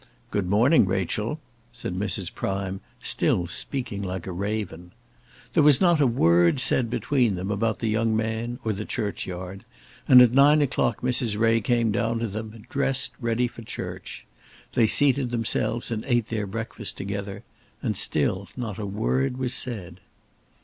"Good morning, Rachel," said Mrs. Prime, still speaking like a raven. There was not a word said between them about the young man or the churchyard, and at nine o'clock Mrs. Ray came down to them, dressed ready for church. They seated themselves and ate their breakfast together, and still not a word was said.